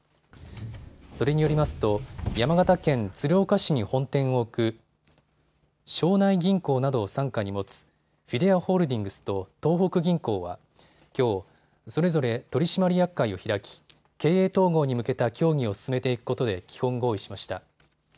それによりますと山形県鶴岡市に本店を置く荘内銀行などを傘下に持つフィデアホールディングスと東北銀行はきょう、それぞれ取締役会を開き経営統合に向けた協議を進めていくことで基本合意しました。